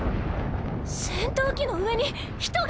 戦闘機の上に人が！